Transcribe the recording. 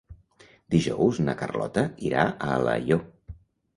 Dijous na Carlota irà a Alaior.